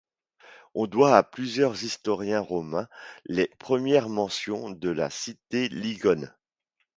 On doit à plusieurs historiens romains les premières mentions de la cité lingonne.